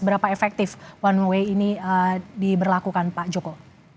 seberapa efektif one way ini diberlakukan pak joko